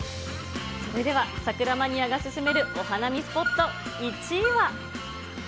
それでは桜マニアが勧めるお花見スポット１位は。